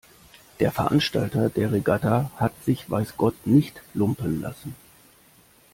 Der Veranstalter der Regatta hat sich weiß Gott nicht lumpen lassen.